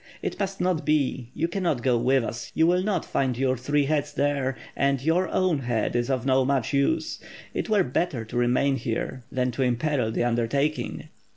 It must not be, you cannot go with us, you will not find your three heads there, and your own head is of not much use. It were better to remain here than to imperil the undertaking."